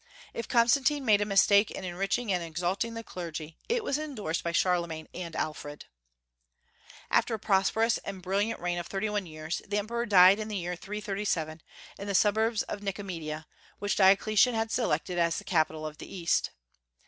If Constantine made a mistake in enriching and exalting the clergy, it was endorsed by Charlemagne and Alfred. After a prosperous and brilliant reign of thirty one years, the emperor died in the year 337, in the suburbs of Nicomedia, which Diocletian had selected as the capital of the East.